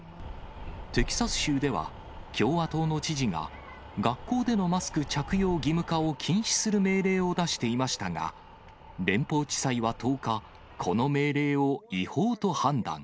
テキサス州では、共和党の知事が学校でもマスク着用義務化を禁止する命令を出していましたが、連邦地裁は１０日、この命令を違法と判断。